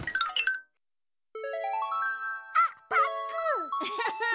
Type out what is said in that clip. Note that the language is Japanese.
あっパックン！